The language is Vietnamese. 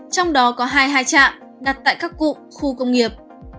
trong đó có hai hai trạm đặt tại các cụ khu công nghiệp